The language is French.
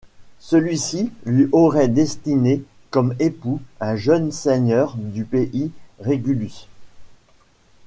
Celui-ci lui aurait destiné comme époux un jeune seigneur du pays, Régulus.